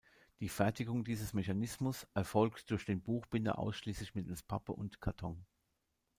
Die Fertigung dieses Mechanismus erfolgt durch den Buchbinder ausschließlich mittels Pappe und Karton.